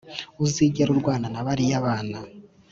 uzigere urwana na bariya bana